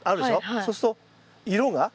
そうすると色が？